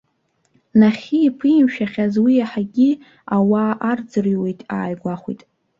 Нахьхьи иԥимшәахьаз, уи иаҳагьы ауаа аарӡырҩуеит ааигәахәит.